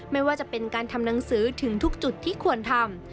ไม่ว่าจะเป็นการทำหนังสือถึงทุกจุดที่ควรทำ